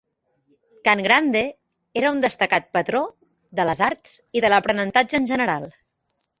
Cangrande era un destacat patró de les arts i de l'aprenentatge en general.